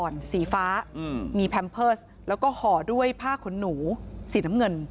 สีฟ้ามีแพมเพิร์สแล้วก็ห่อด้วยผ้าขนหนูสีน้ำเงิน